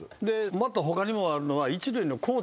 もっと他にもあるのは。